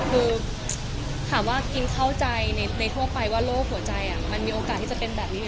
คือถามว่ากินเข้าใจในทั่วไปว่าโรคหัวใจมันมีโอกาสที่จะเป็นแบบนี้ไหม